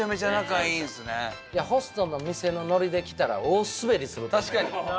いやホストの店のノリできたら大スベリすると思う。